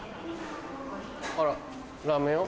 あらラーメン屋？